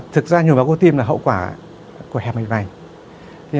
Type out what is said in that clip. thực ra nhồi máu cơ tim là hậu quả của hẹp mảnh vành